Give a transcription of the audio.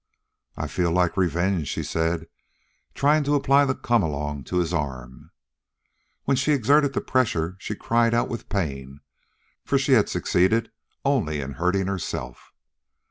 "I feel like revenge," she said, trying to apply the "come along" to his arm. When she exerted the pressure she cried out with pain, for she had succeeded only in hurting herself.